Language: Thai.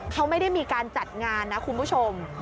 เขาไม่ได้มีการจัดงานนะคุณผู้ชม